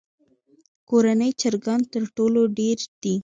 کورني چرګان تر ټولو ډېر دي.